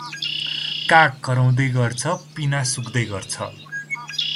काग कराउदै गर्छ, पिना सुक्दै गर्छ